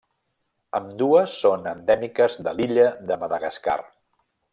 Ambdues són endèmiques de l'illa de Madagascar.